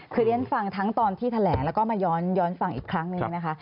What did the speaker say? คือเรียนฟังทั้งตอนที่แถลงแล้วก็มาย้อนฟังอีกครั้งหนึ่งนะคะ